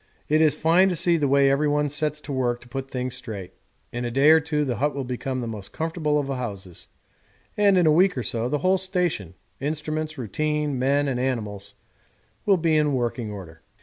It is fine to see the way everyone sets to work to put things straight; in a day or two the hut will become the most comfortable of houses, and in a week or so the whole station, instruments, routine, men and animals, &c., will be in working order.